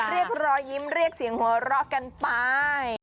เรียกรอยยิ้มเรียกเสียงหัวเราะกันไป